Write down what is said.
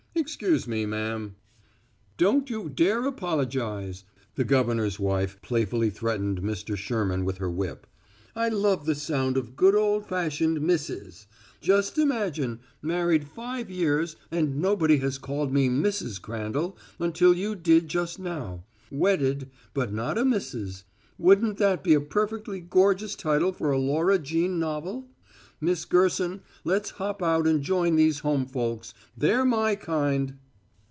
Excuse me, ma'am." "Don't you dare apologize," the governor's wife playfully threatened Mr. Sherman with her whip. "I love the sound of good, old fashioned 'Missis.' Just imagine married five years, and nobody has called me 'Mrs. Crandall' until you did just now. 'Wedded, But Not a Missis'; wouldn't that be a perfectly gorgeous title for a Laura Jean novel? Miss Gerson, let's hop out and join these home folks; they're my kind."